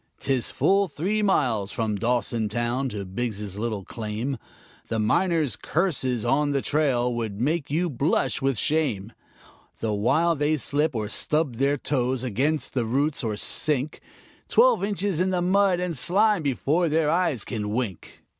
'Tis full three miles from Dawson town to Biggs' little claim; The miners' curses on the trail would make you blush with shame The while they slip, or stub their toes against the roots, or sink Twelve inches in the mud and slime before their eyes can wink.